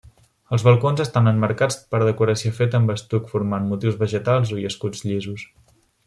Els balcons estan emmarcats per decoració feta amb estuc formant motius vegetals i escuts llisos.